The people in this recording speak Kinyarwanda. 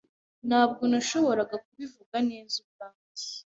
Ntabwo nashoboraga kubivuga neza ubwanjye